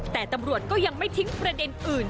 แต่ตำรวจก็ยังไม่ทิ้งประเด็นอื่น